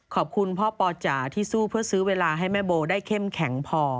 ขอบคุณพ่อปอจ๋าที่สู้เพื่อซื้อเวลาให้แม่โบได้เข้มแข็งพอ